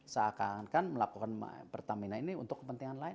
seakan akan melakukan my pertamina ini untuk kepentingan lain